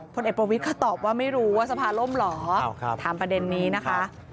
พลเอกประวิทย์ก็ตอบว่าไม่รู้ว่าสภาล่มเหรอถามประเด็นนี้นะคะ